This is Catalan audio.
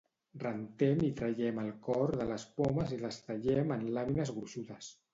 Rentem i traiem el cor de les pomes i les tallem en làmines gruixudes.